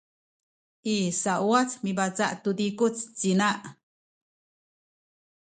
i sauwac mibaca’ tu zikuc ci ina